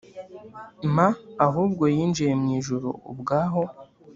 m ahubwo yinjiye mu ijuru ubwaho